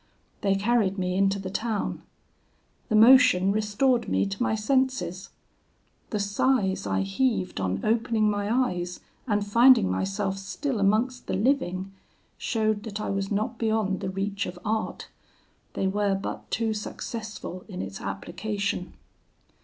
They carried me into the town. The motion restored me to my senses. The sighs I heaved on opening my eyes and finding myself still amongst the living, showed that I was not beyond the reach of art: they were but too successful in its application.